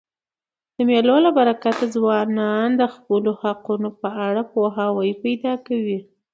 د مېلو له برکته ځوانان د خپلو حقونو په اړه پوهاوی پیدا کوي.